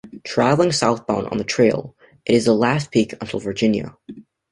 Traveling southbound on the Trail, it is the last peak until Virginia.